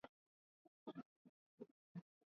Magonjwa yanayobainika kwa namna ya kupumua